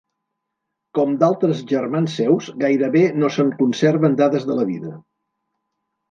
Com d'altres germans seus, gairebé no se'n conserven dades de la vida.